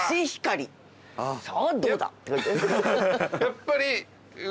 やっぱり。